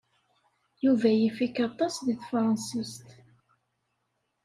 Yuba yif-ik aṭas deg tefṛansit.